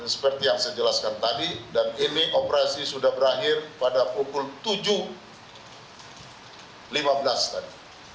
seperti yang saya jelaskan tadi dan ini operasi sudah berakhir pada pukul tujuh lima belas tadi